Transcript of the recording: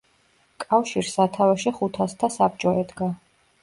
კავშირს სათავეში ხუთასთა საბჭო ედგა.